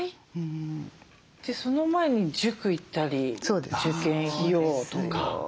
その前に塾行ったり受験費用とか。